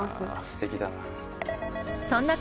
すてきだな。